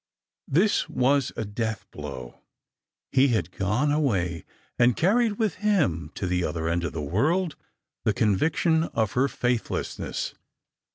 ^ This was a death blow. He had gone away, and carried with him to the other end of the world the conviction of her faithless ness.